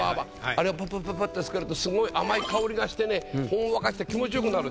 あれをプップップップッと付けるとすごい甘い香りがしてねほんわかして気持ちよくなる。